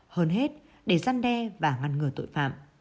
hơn hết để gian đe và ngăn ngừa tội phạm